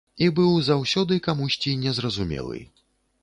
І быў заўсёды камусьці незразумелы.